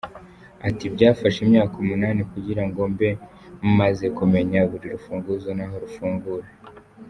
Ati “Byafashe imyaka umunani kugira ngo mbe maze kumenya buri rufunguzo n’aho rufungura.